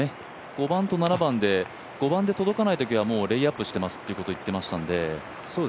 ５番と７番で、５番で届かないときはレイアップしてますということを言ってましたので。